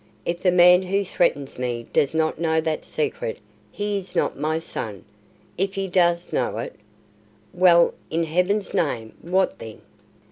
If the man who threatens me does not know that secret, he is not my son. If he does know it " "Well, in Heaven's name, what then?"